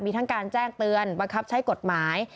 มีทั้งการแจ้งเตือนบังคับใช้กฎหมาย